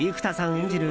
演じる